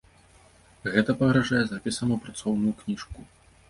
Гэта пагражае запісам ў працоўную кніжку.